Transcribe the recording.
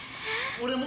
俺も。